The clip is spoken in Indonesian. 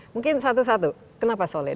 mungkin satu satu kenapa solid